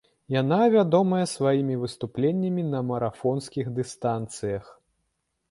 Яна вядомая сваімі выступленнямі на марафонскіх дыстанцыях.